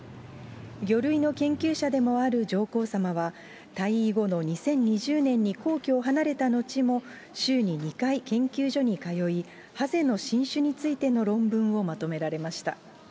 魚類の研究者でもある上皇さまは、退位後の２０２０年に皇居を離れたのちも週に２回研究所に通い、ハゼの新種についての論文をまとめられました。